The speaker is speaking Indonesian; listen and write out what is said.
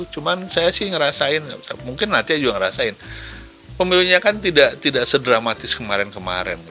cuma saya sih ngerasain mungkin natya juga ngerasain pemilunya kan tidak sedramatis kemarin kemarin